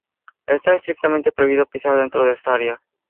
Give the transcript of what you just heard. Está estrictamente prohibido pisar dentro de esta área.